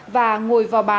và ngồi vào bàn ăn